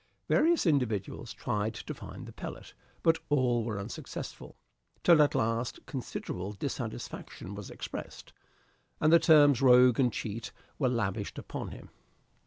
Various individuals tried to find the pellet, but all were unsuccessful, till at last considerable dissatisfaction was expressed, and the terms rogue and cheat were lavished upon him.